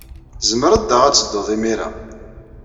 Tzemred daɣ ad teddud imir-a.